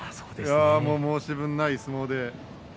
申し分ない相撲で。